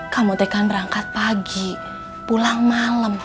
kamu te kan berangkat pagi pulang malem